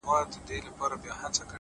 • د ښویېدلي سړي لوري د هُدا لوري ـ